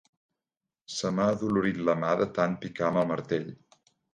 Se m'ha adolorit la mà de tant picar amb el martell.